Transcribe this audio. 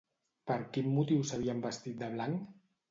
Per quin motiu s'havien vestit de blanc?